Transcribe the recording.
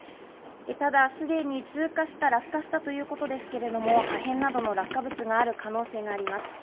ただすでに通過した、落下したということですけれども、破片などの落下物がある可能性もあります。